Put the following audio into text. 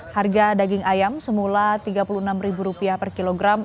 harga daging ayam semula rp tiga puluh enam per kilogram